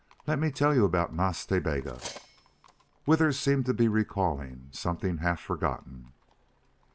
Let me tell you about Nas Ta Bega." Withers appeared to be recalling something half forgotten.